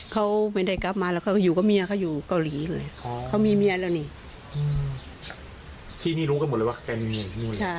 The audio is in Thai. ก็ดูข่าก็งง